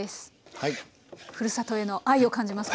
ふるさとへの愛を感じます